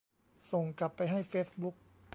ส่งกลับไปให้เฟซบุ๊ก